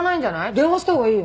電話したほうがいいよ。